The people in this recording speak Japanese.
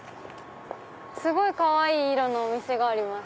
すごいかわいい色のお店があります。